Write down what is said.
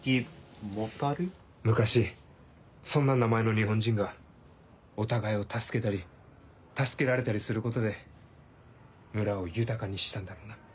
昔そんな名前の日本人がお互いを助けたり助けられたりすることで村を豊かにしたんだろうな。